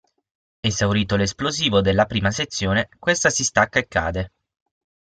Esaurito l'esplosivo della prima sezione questa si stacca e cade.